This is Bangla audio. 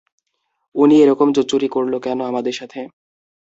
উনি এরকম জোচ্চুরি করল কেন আমাদের সাথে?